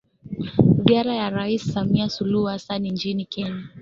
Ziara ya Rais Samia Suluhu Hassan nchini Kenya